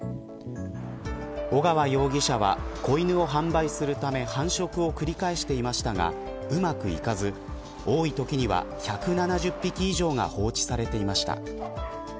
尾川容疑者は子犬を販売するため繁殖を繰り返してましたがうまくいかず、多いときには１７０匹以上が放置されていました。